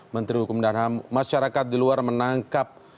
menteri hukum dan masyarakat di luar menangkap